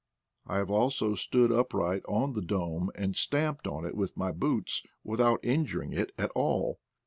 I have also stood upright on the dome and stamped on it with my boots without injuring it at all.